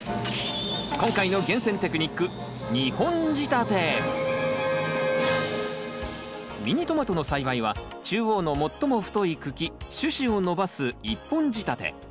今回のミニトマトの栽培は中央の最も太い茎主枝を伸ばす１本仕立て。